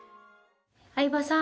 相葉さん。